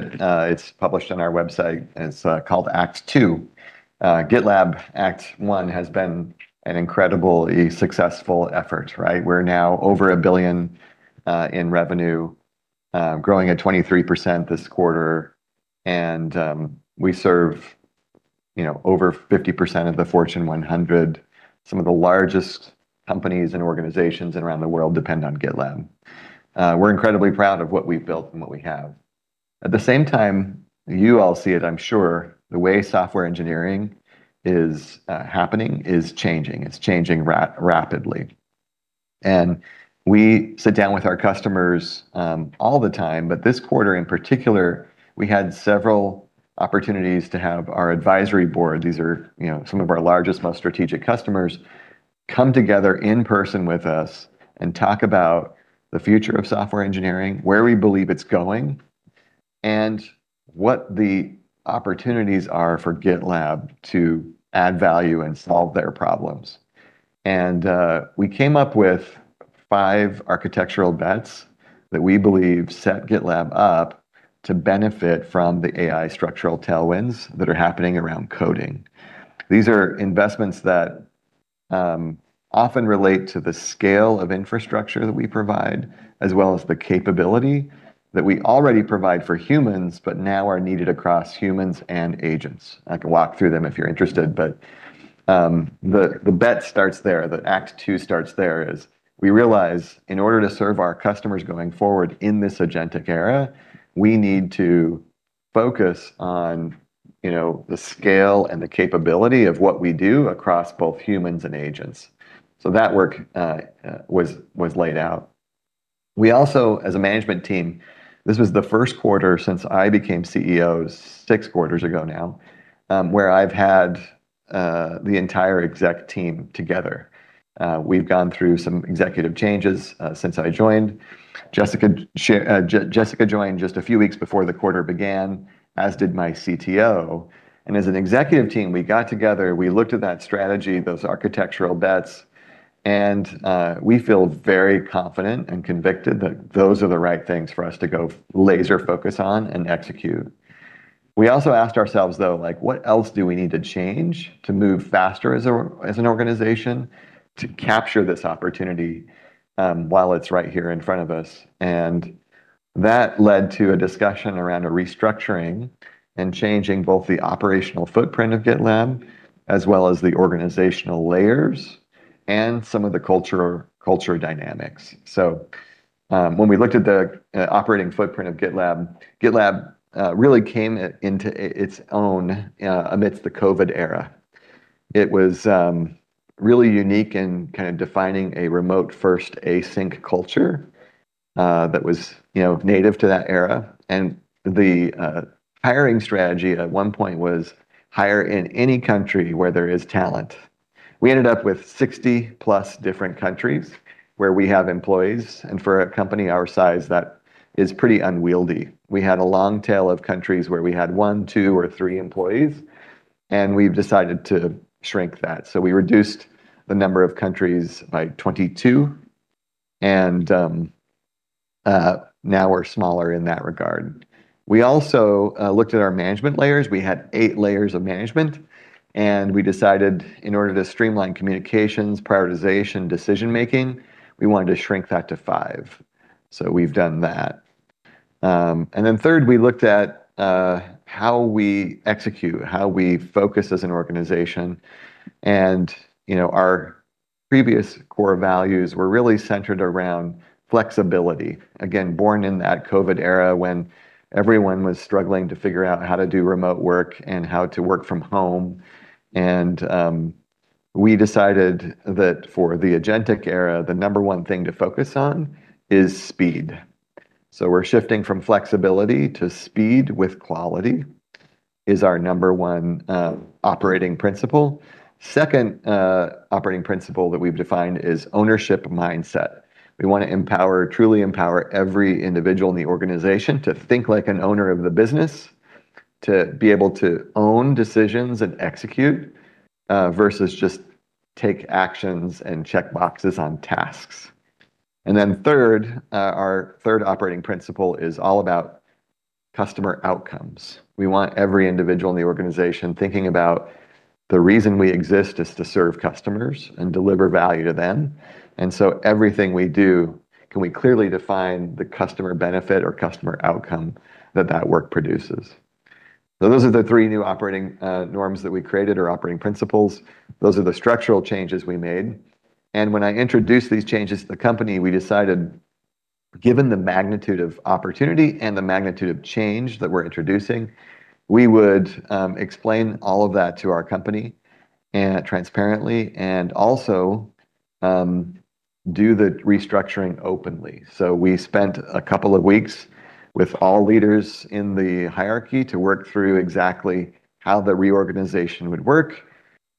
it's published on our website, and it's called Act Two. GitLab Act One has been an incredibly successful effort. We're now over $1 billion in revenue, growing at 23% this quarter, and we serve over 50% of the Fortune 100. Some of the largest companies and organizations around the world depend on GitLab. We're incredibly proud of what we've built and what we have. At the same time, you all see it, I'm sure, the way software engineering is happening is changing. It's changing rapidly. We sit down with our customers all the time, but this quarter in particular, we had several opportunities to have our advisory board, these are some of our largest, most strategic customers, come together in person with us and talk about the future of software engineering, where we believe it's going, and what the opportunities are for GitLab to add value and solve their problems. We came up with five architectural bets that we believe set GitLab up to benefit from the AI structural tailwinds that are happening around coding. These are investments that often relate to the scale of infrastructure that we provide, as well as the capability that we already provide for humans, but now are needed across humans and agents. I can walk through them if you're interested, but the bet starts there. The Act Two starts there is we realize in order to serve our customers going forward in this agentic era, we need to focus on the scale and the capability of what we do across both humans and agents. That work was laid out. We also, as a management team, this was the first quarter since I became CEO, six quarters ago now, where I've had the entire exec team together. We've gone through some executive changes since I joined. Jessica joined just a few weeks before the quarter began, as did my CTO. As an executive team, we got together, we looked at that strategy, those architectural bets, and we feel very confident and convicted that those are the right things for us to go laser focus on and execute. We also asked ourselves, though, what else do we need to change to move faster as an organization to capture this opportunity while it's right here in front of us? That led to a discussion around a restructuring and changing both the operational footprint of GitLab as well as the organizational layers and some of the culture dynamics. When we looked at the operating footprint of GitLab really came into its own amidst the COVID era. It was really unique in defining a remote-first async culture that was native to that era. The hiring strategy at one point was hire in any country where there is talent. We ended up with 60 plus different countries where we have employees, and for a company our size, that is pretty unwieldy. We had a long tail of countries where we had one, two, or three employees, and we've decided to shrink that. We reduced the number of countries by 22, and now we're smaller in that regard. We also looked at our management layers. We had eight layers of management, and we decided in order to streamline communications, prioritization, decision-making, we wanted to shrink that to five. We've done that. Third, we looked at how we execute, how we focus as an organization. Our previous core values were really centered around flexibility. Again, born in that COVID era when everyone was struggling to figure out how to do remote work and how to work from home. We decided that for the agentic era, the number one thing to focus on is speed. We're shifting from flexibility to speed with quality is our number one operating principle. Second operating principle that we've defined is ownership mindset. We want to truly empower every individual in the organization to think like an owner of the business, to be able to own decisions and execute, versus just take actions and check boxes on tasks. Third, our third operating principle is all about customer outcomes. We want every individual in the organization thinking about the reason we exist is to serve customers and deliver value to them. Everything we do, can we clearly define the customer benefit or customer outcome that that work produces? Those are the three new operating norms that we created, or operating principles. Those are the structural changes we made. When I introduced these changes to the company, we decided, given the magnitude of opportunity and the magnitude of change that we're introducing, we would explain all of that to our company transparently and also do the restructuring openly. We spent a couple of weeks with all leaders in the hierarchy to work through exactly how the reorganization would work.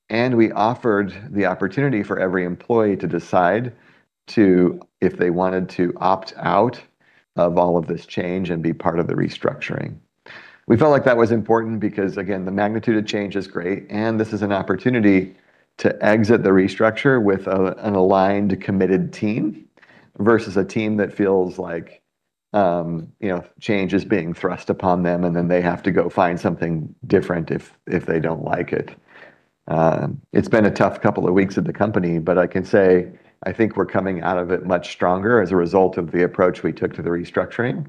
We offered the opportunity for every employee to decide if they wanted to opt out of all of this change and be part of the restructuring. We felt like that was important because, again, the magnitude of change is great, and this is an opportunity to exit the restructure with an aligned, committed team versus a team that feels like change is being thrust upon them, and then they have to go find something different if they don't like it. It's been a tough couple of weeks at the company, but I can say I think we're coming out of it much stronger as a result of the approach we took to the restructuring,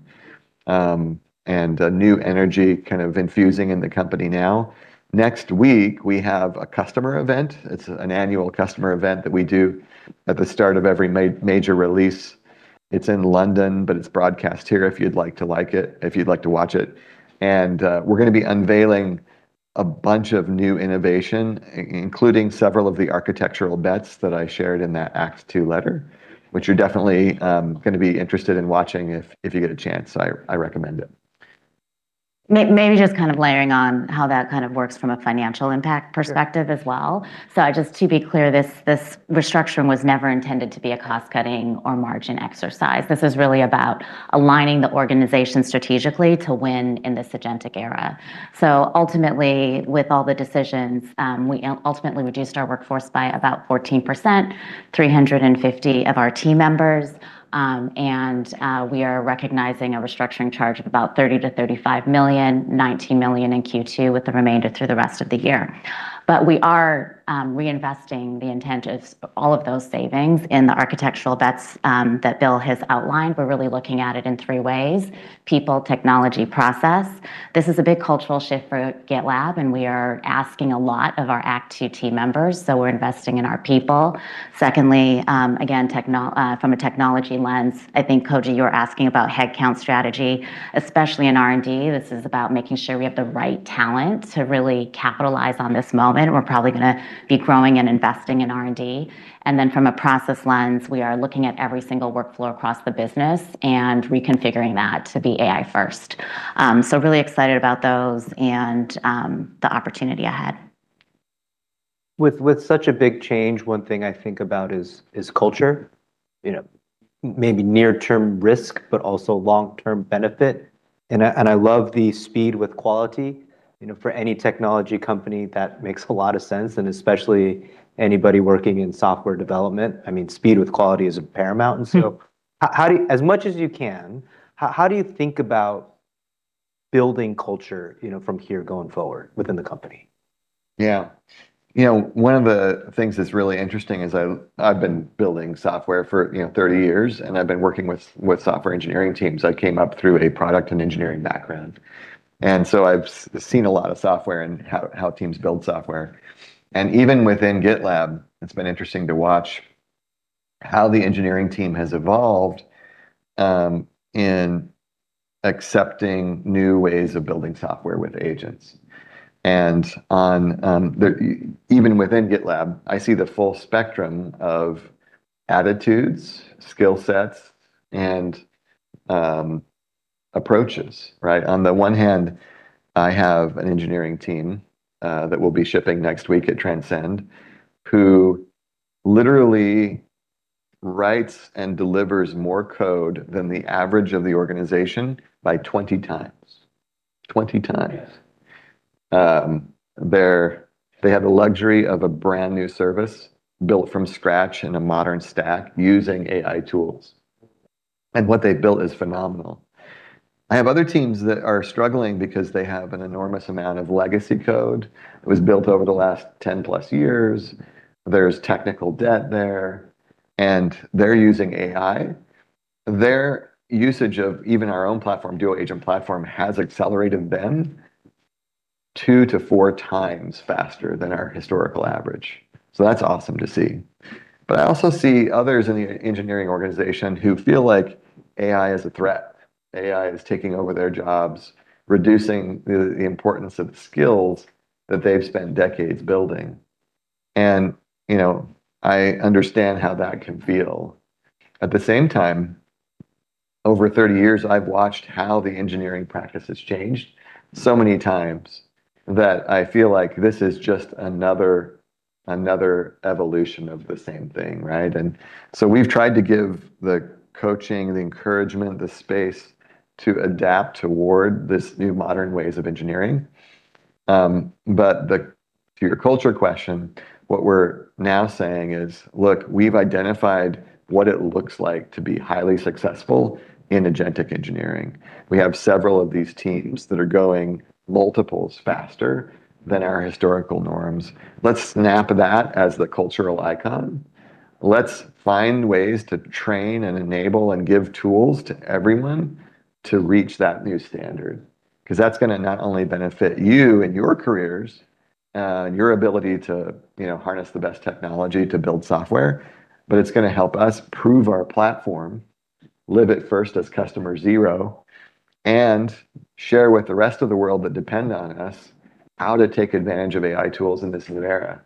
and a new energy infusing in the company now. Next week, we have a customer event. It's an annual customer event that we do at the start of every major release. It's in London, but it's broadcast here if you'd like to watch it. We're going to be unveiling a bunch of new innovation, including several of the architectural bets that I shared in that Act Two letter, which you're definitely going to be interested in watching if you get a chance. I recommend it. Maybe just layering on how that works from a financial impact perspective as well. Just to be clear, this restructuring was never intended to be a cost-cutting or margin exercise. This is really about aligning the organization strategically to win in this agentic era. Ultimately, with all the decisions, we ultimately reduced our workforce by about 14%, 350 of our team members. We are recognizing a restructuring charge of about $30 million to $35 million, $19 million in Q2, with the remainder through the rest of the year. We are reinvesting the intent of all of those savings in the architectural bets that Bill has outlined. We're really looking at it in three ways: people, technology, process. This is a big cultural shift for GitLab, and we are asking a lot of our Act Two team members, so we're investing in our people. Secondly, again, from a technology lens, I think Koji, you were asking about headcount strategy, especially in R&D. This is about making sure we have the right talent to really capitalize on this moment. We're probably going to be growing and investing in R&D. From a process lens, we are looking at every single workflow across the business and reconfiguring that to be AI first. Really excited about those and the opportunity ahead. With such a big change, one thing I think about is culture, maybe near-term risk, but also long-term benefit. I love the speed with quality. For any technology company, that makes a lot of sense, and especially anybody working in software development, speed with quality is paramount. As much as you can, how do you think about building culture from here going forward within the company? Yeah. One of the things that's really interesting is I've been building software for 30 years, and I've been working with software engineering teams. I came up through a product and engineering background, and so I've seen a lot of software and how teams build software. Even within GitLab, it's been interesting to watch how the engineering team has evolved in accepting new ways of building software with agents. Even within GitLab, I see the full spectrum of attitudes, skill sets, and approaches. Right? On the one hand, I have an engineering team that will be shipping next week at [Transcend], who literally writes and delivers more code than the average of the organization by 20 times. 20 times. They have the luxury of a brand-new service built from scratch in a modern stack using AI tools, and what they've built is phenomenal. I have other teams that are struggling because they have an enormous amount of legacy code that was built over the last 10-plus years. There's technical debt there, and they're using AI. Their usage of even our own platform, Duo Agent Platform, has accelerated them two to four times faster than our historical average. That's awesome to see. I also see others in the engineering organization who feel like AI is a threat, AI is taking over their jobs, reducing the importance of skills that they've spent decades building, and I understand how that can feel. At the same time, over 30 years, I've watched how the engineering practice has changed so many times that I feel like this is just another evolution of the same thing, right? We've tried to give the coaching, the encouragement, the space to adapt toward these new modern ways of engineering. To your culture question, what we're now saying is, "Look, we've identified what it looks like to be highly successful in agentic engineering. We have several of these teams that are going multiples faster than our historical norms. Let's snap that as the cultural icon. Let's find ways to train and enable and give tools to everyone to reach that new standard, because that's going to not only benefit you and your careers, and your ability to harness the best technology to build software, but it's going to help us prove our platform, live it first as customer zero, and share with the rest of the world that depend on us how to take advantage of AI tools in this new era.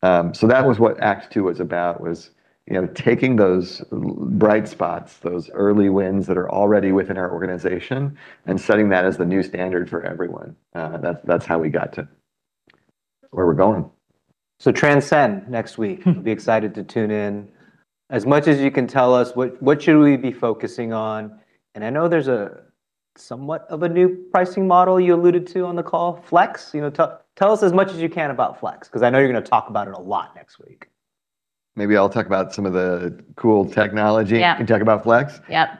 That was what Act Two was about, was taking those bright spots, those early wins that are already within our organization, and setting that as the new standard for everyone. That's how we got to where we're going. [Transcend] next week. Be excited to tune in. As much as you can tell us, what should we be focusing on? I know there's somewhat of a new pricing model you alluded to on the call, Flex. Tell us as much as you can about Flex, because I know you're going to talk about it a lot next week. Maybe I'll talk about some of the cool technology. Yeah Talk about Flex. Yeah.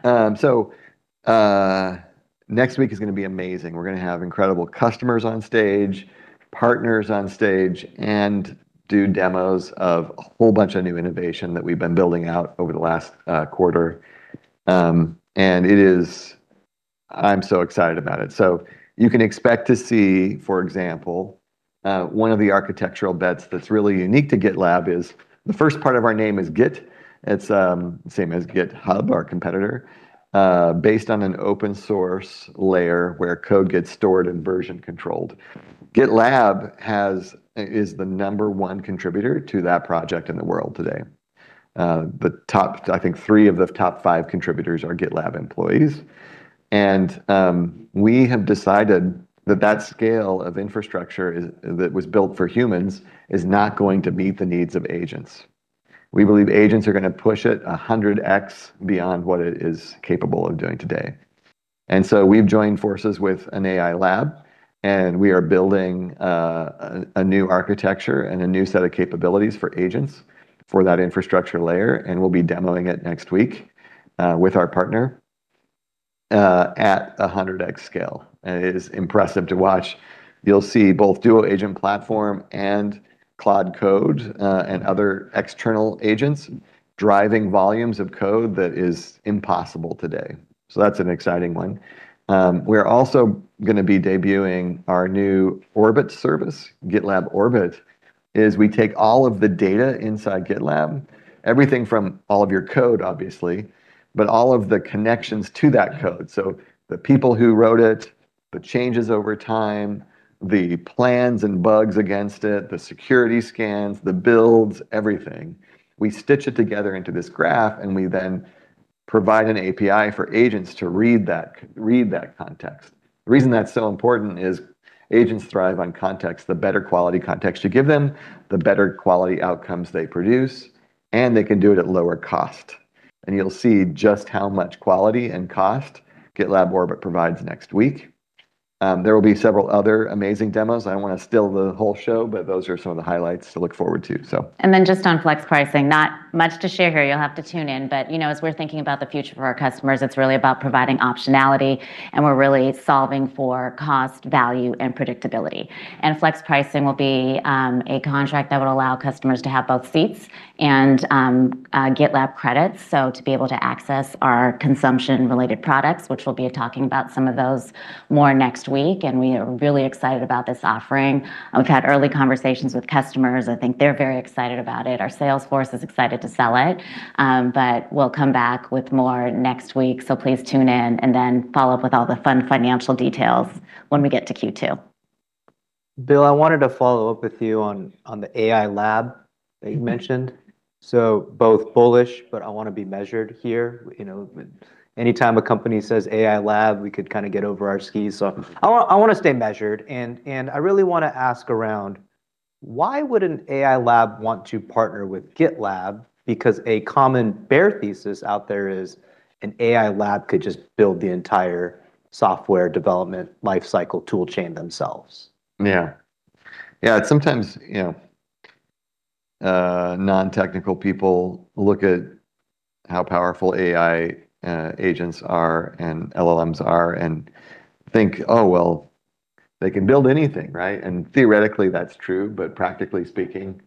Next week is going to be amazing. We're going to have incredible customers on stage, partners on stage, and do demos of a whole bunch of new innovation that we've been building out over the last quarter. I'm so excited about it. You can expect to see, for example, one of the architectural bets that's really unique to GitLab is the first part of our name is Git. It's the same as GitHub, our competitor, based on an open source layer where code gets stored and version controlled. GitLab is the number one contributor to that project in the world today. I think three of the top five contributors are GitLab employees. We have decided that that scale of infrastructure that was built for humans is not going to meet the needs of agents. We believe agents are going to push it 100X beyond what it is capable of doing today. We've joined forces with an AI lab, and we are building a new architecture and a new set of capabilities for agents for that infrastructure layer, and we'll be demoing it next week, with our partner, at 100X scale. It is impressive to watch. You'll see both Duo Agent Platform and Cloud Code, other external agents driving volumes of code that is impossible today. That's an exciting one. We're also going to be debuting our new Orbit service. GitLab Orbit is we take all of the data inside GitLab, everything from all of your code, obviously, all of the connections to that code, so the people who wrote it, the changes over time, the plans and bugs against it, the security scans, the builds, everything. We stitch it together into this graph. We then provide an API for agents to read that context. The reason that's so important is agents thrive on context. The better quality context you give them, the better quality outcomes they produce, and they can do it at lower cost. You'll see just how much quality and cost GitLab Orbit provides next week. There will be several other amazing demos. I don't want to steal the whole show. Those are some of the highlights to look forward to. Just on Flex pricing, not much to share here, you'll have to tune in. As we're thinking about the future for our customers, it's really about providing optionality. We're really solving for cost, value, and predictability. Flex pricing will be a contract that will allow customers to have both seats and GitLab Credits, so to be able to access our consumption-related products, which we'll be talking about some of those more next week. We are really excited about this offering. We've had early conversations with customers. I think they're very excited about it. Our sales force is excited to sell it. We'll come back with more next week, so please tune in. Follow up with all the fun financial details when we get to Q2. Bill, I wanted to follow up with you on the AI lab that you mentioned. Both bullish, but I want to be measured here. Anytime a company says AI lab, we could kind of get over our skis. I want to stay measured and I really want to ask around, why would an AI lab want to partner with GitLab, because a common bear thesis out there is an AI lab could just build the entire software development life cycle tool chain themselves. Yeah. Sometimes non-technical people look at how powerful AI agents are, and LLMs are, and think, "Oh, well, they can build anything," right? Theoretically that's true, but practically speaking,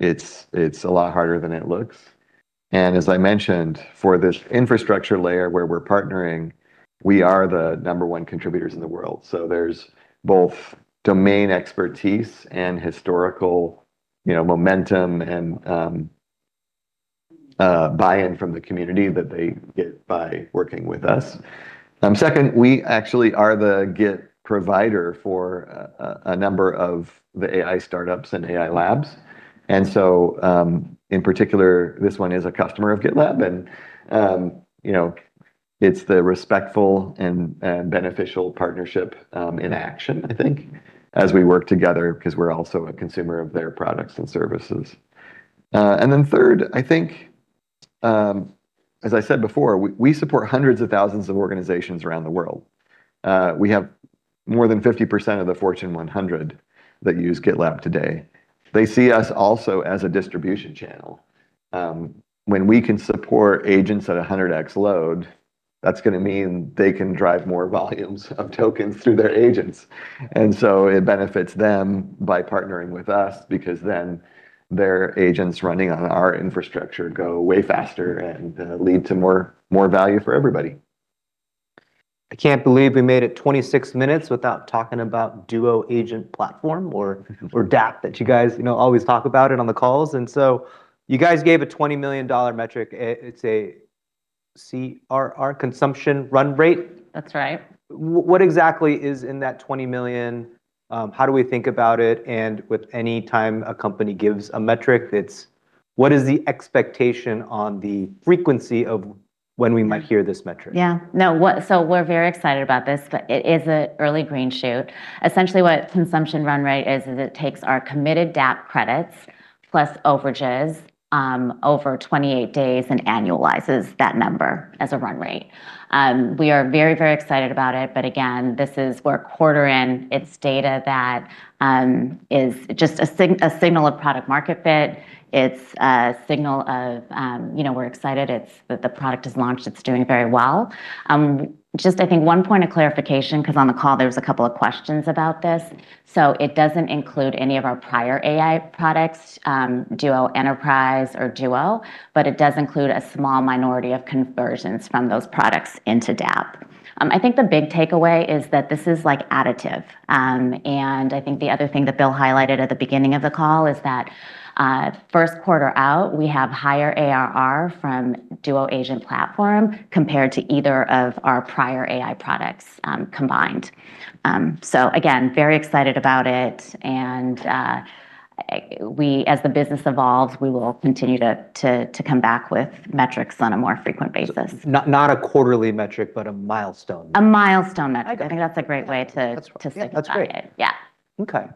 it's a lot harder than it looks. As I mentioned, for this infrastructure layer where we're partnering, we are the number one contributors in the world. There's both domain expertise and historical momentum, and buy-in from the community that they get by working with us. Second, we actually are the Git provider for a number of the AI startups and AI labs. In particular, this one is a customer of GitLab, and it's the respectful and beneficial partnership in action, I think, as we work together, because we're also a consumer of their products and services. Third, I think, as I said before, we support hundreds of thousands of organizations around the world. We have more than 50% of the Fortune 100 that use GitLab today. They see us also as a distribution channel. When we can support agents at 100x load, that's going to mean they can drive more volumes of tokens through their agents. It benefits them by partnering with us because then their agents running on our infrastructure go way faster and lead to more value for everybody. I can't believe we made it 26 minutes without talking about Duo Agent Platform or DAP, that you guys always talk about it on the calls. You guys gave a $20 million metric. It's a CRR, consumption run rate? That's right. What exactly is in that $20 million? How do we think about it? With any time a company gives a metric, what is the expectation on the frequency of when we might hear this metric? Yeah. We're very excited about this, but it is an early green shoot. Essentially what a consumption run rate is it takes our committed DAP Credits plus overages over 28 days and annualizes that number as a run rate. We are very excited about it, but again, this is we're a quarter in, it's data that is just a signal of product market fit. It's a signal of we're excited that the product has launched. It's doing very well. Just I think one point of clarification, because on the call, there was a couple of questions about this. It doesn't include any of our prior AI products, Duo Enterprise or Duo, but it does include a small minority of conversions from those products into DAP. I think the big takeaway is that this is additive. I think the other thing that Ashutosh highlighted at the beginning of the call is that first quarter out, we have higher ARR from Duo Agent Platform compared to either of our prior AI products combined. Again, very excited about it and as the business evolves, we will continue to come back with metrics on a more frequent basis. Not a quarterly metric, but a milestone. A milestone metric. I think that's a great way to think about it. That's great. Yeah. Okay.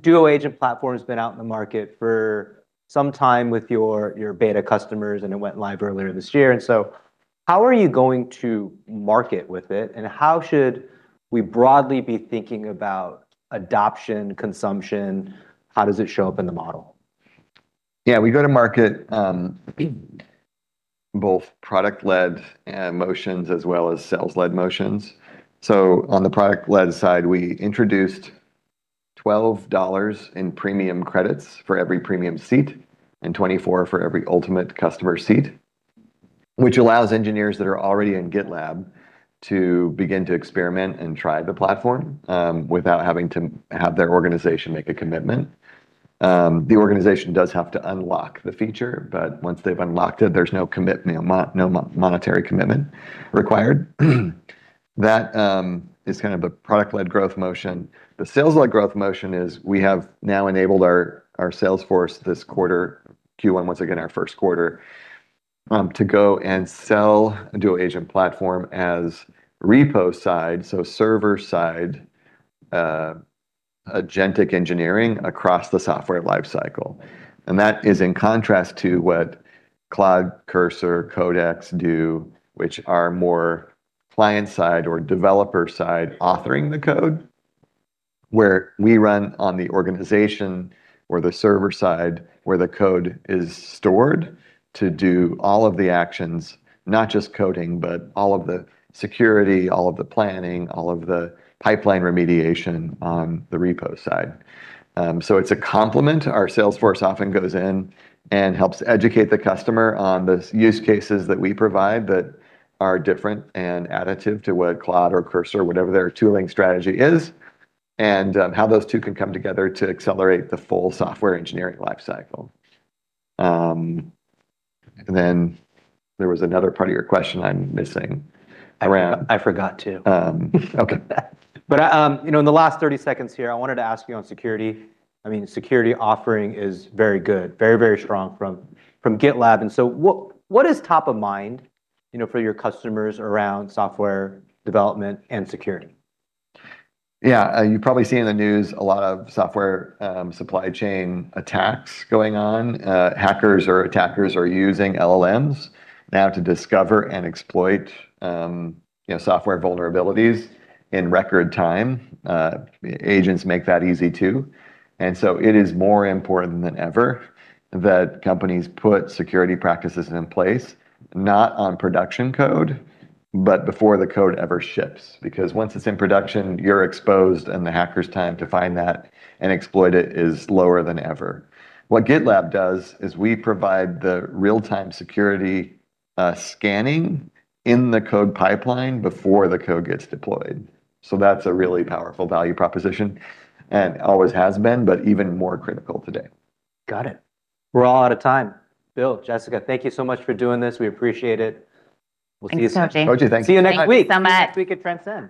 Duo Agent Platform's been out in the market for some time with your beta customers, and it went live earlier this year, and so how are you going to market with it, and how should we broadly be thinking about adoption, consumption? How does it show up in the model? We go to market both product-led motions as well as sales-led motions. On the product-led side, we introduced $12 in premium credits for every premium seat and $24 for every ultimate customer seat, which allows engineers that are already in GitLab to begin to experiment and try the platform, without having to have their organization make a commitment. The organization does have to unlock the feature, but once they've unlocked it, there's no monetary commitment required. That is kind of a product-led growth motion. The sales-led growth motion is we have now enabled our Salesforce this quarter, Q1, once again, our first quarter, to go and sell Duo Agent Platform as repo-side, so server-side agentic engineering across the software lifecycle. That is in contrast to what Cloud, Cursor, Codex do, which are more client side or developer side authoring the code, where we run on the organization or the server side where the code is stored to do all of the actions, not just coding, but all of the security, all of the planning, all of the pipeline remediation on the repo side. It's a complement. Our salesforce often goes in and helps educate the customer on the use cases that we provide that are different and additive to what Cloud or Cursor, whatever their tooling strategy is, and how those two can come together to accelerate the full software engineering lifecycle. Then there was another part of your question I'm missing around. I forgot, too. Okay. In the last 30 seconds here, I wanted to ask you on security. Security offering is very good. Very strong from GitLab. What is top of mind for your customers around software development and security? Yeah. You probably see in the news a lot of software supply chain attacks going on. Hackers or attackers are using LLMs now to discover and exploit software vulnerabilities in record time. Agents make that easy, too. It is more important than ever that companies put security practices in place, not on production code, but before the code ever ships. Because once it's in production, you're exposed and the hacker's time to find that and exploit it is lower than ever. What GitLab does is we provide the real-time security scanning in the code pipeline before the code gets deployed. That's a really powerful value proposition and always has been, but even more critical today. Got it. We're all out of time. Bill, Jessica, thank you so much for doing this. We appreciate it. We'll see you soon. Thanks, Koji. Koji, thank you. See you next week. Thank you so much. See you next week at [Transend].